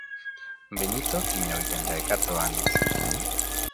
Benito tiña oitenta e catro anos.